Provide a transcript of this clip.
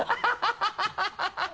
ハハハ